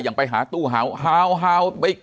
อย่างไปหาตู้ฮาว